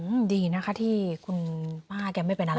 อืมดีนะคะที่คุณป้าแกไม่เป็นอะไร